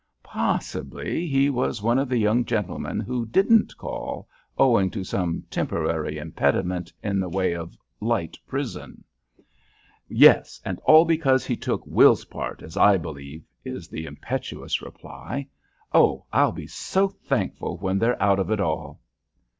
"Possibly he was one of the young gentlemen who didn't call, owing to some temporary impediment in the way of light prison " "Yes; and all because he took Will's part, as I believe," is the impetuous reply. "Oh! I'll be so thankful when they're out of it all."